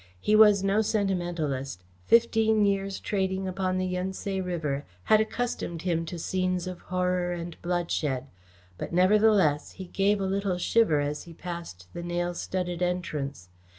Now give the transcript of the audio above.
He was no sentimentalist. Fifteen years' trading upon the Yun Tse River had accustomed him to scenes of horror and bloodshed, but, nevertheless, he gave a little shiver as he passed the nail studded entrance.